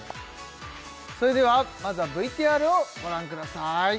それではまずはＶＴＲをご覧ください